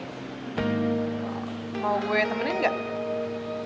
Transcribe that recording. mau gue temenin gak